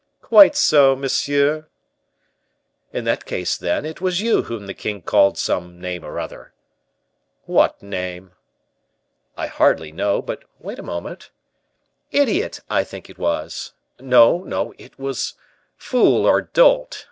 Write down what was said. "Quite so, monsieur." "In that case, then, it was you whom the king called some name or other." "What name?" "I hardly know; but wait a moment idiot, I think it was no, no, it was fool or dolt.